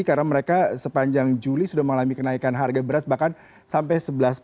karena mereka sepanjang juli sudah mengalami kenaikan harga beras bahkan sampai sebelas